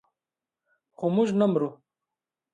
خو موږ نه مرو.